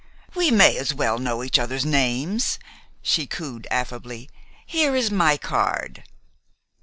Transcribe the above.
"We may as well know each other's names," she cooed affably. "Here is my card."